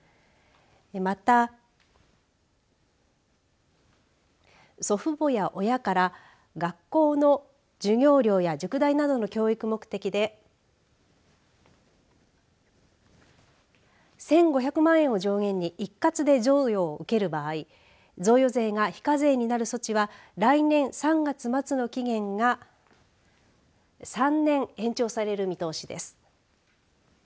また祖父母や親から学校の授業料や塾代などの教育目的で１５００万円を上限に一括で贈与を受ける場合贈与税が非課税になる措置は来年３月末の期限が３年延長される見通しです。